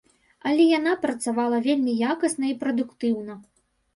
Але яна працавала вельмі якасна і прадуктыўна.